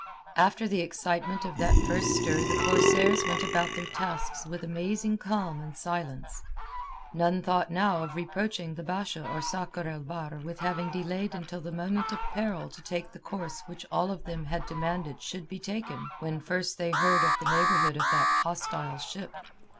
After the excitement of that first stir the corsairs went about their tasks with amazing calm and silence. None thought now of reproaching the Basha or Sakr el Bahr with having delayed until the moment of peril to take the course which all of them had demanded should be taken when first they had heard of the neighbourhood of that hostile ship.